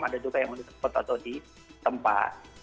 ada juga yang mengetahui tempat